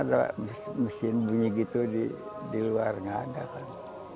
ada mesin bunyi gitu di luar nggak ada kan